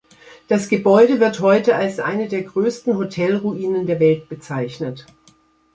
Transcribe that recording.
Das Gebäude wird heute als eine der größten Hotel-Ruinen der Welt bezeichnet.